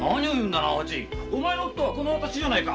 お前のおっ父は私じゃないか。